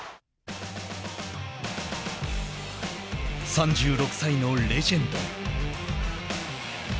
３６歳のレジェンド。